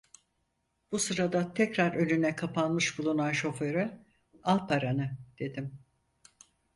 Bu sırada tekrar önüne kapanmış bulunan şoföre: "Al paranı!" dedim.